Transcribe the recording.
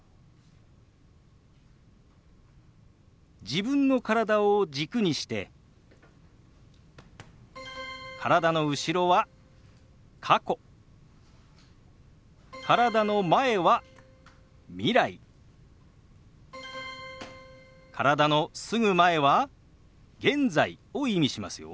自分の体を軸にして体の後ろは過去体の前は未来体のすぐ前は現在を意味しますよ。